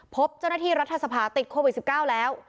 พบเจ้าหน้าที่รัฐสภาติดโควิด๑๙แล้ว